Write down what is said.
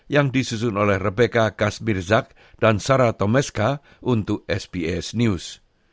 yang disusun oleh rebecca kasbirzak dan sarah tomeska untuk sbs news